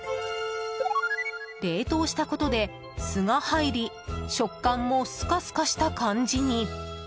冷凍したことで、すが入り食感もスカスカした感じに。